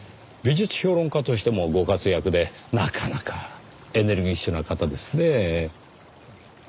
美術評論家としてもご活躍でなかなかエネルギッシュな方ですねぇ。